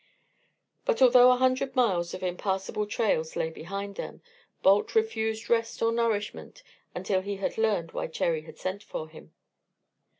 But although a hundred miles of impassable trails lay behind them, Balt refused rest or nourishment until he had learned why Cherry had sent for him.